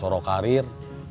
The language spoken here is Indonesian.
sudah bersorok karir